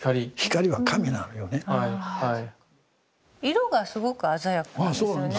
色がすごく鮮やかなんですよね。